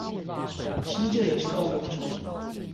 新建人行道工程